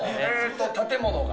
建物が？